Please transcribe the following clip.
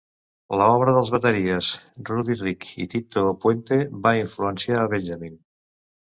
La obra dels bateries Buddy Rich i Tito Puente va influenciar a Benjamin.